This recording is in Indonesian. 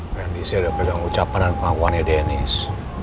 kandisi ada pegang ucapan dan pengakuan ya dennis